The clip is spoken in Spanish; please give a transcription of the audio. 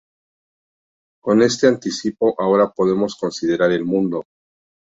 Con este anticipo ahora podemos considerar el mundo.